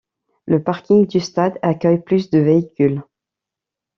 Le parking du stade accueille plus de véhicules.